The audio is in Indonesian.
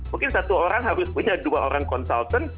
mungkin satu orang harus punya dua orang konsultan